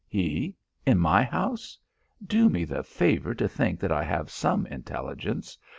"He? In my house? Do me the favour to think that I have some intelligence.